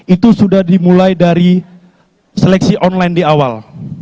itu sudah dimulai dari seleksi online di awal